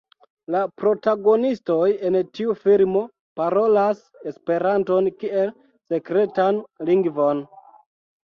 La protagonistoj en tiu filmo parolas Esperanton kiel sekretan lingvon.